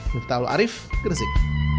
miftahul arif gresik